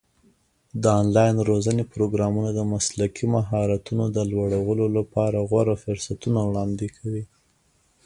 د آنلاین روزنې پروګرامونه د مسلکي مهارتونو د لوړولو لپاره غوره فرصتونه وړاندې کوي.